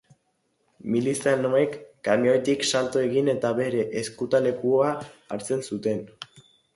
Milizianoek kamioitik salto egin eta bere ezkutalekua hartzen zuten.